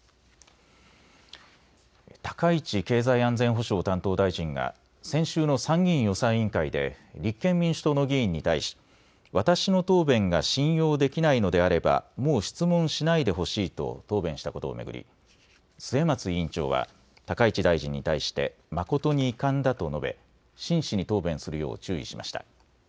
高市経済安全保障担当大臣が先週の参議院予算委員会で立憲民主党の議員に対し私の答弁が信用できないのであればもう質問しないでほしいと答弁したことを巡り末松委員長は高市大臣に対して誠に遺憾だと述べ真摯に答弁するよう注意しました。